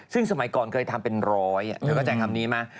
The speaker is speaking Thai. ซึ่งสมัยก่อนเคยทำเป็น๑๐๐เธอก็ใจคำนี้มา